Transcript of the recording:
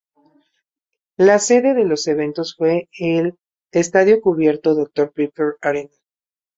La sede de los eventos fue el estadio cubierto Dr Pepper Arena.